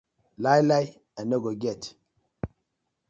Lai lai I no get.